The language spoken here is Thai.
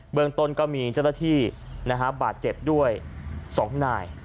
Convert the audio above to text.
เมืองต้นก็มีเจ้าหน้าที่บาดเจ็บด้วย๒นาย